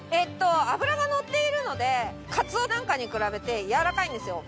脂がのっているのでカツオなんかに比べてやわらかいんですよ。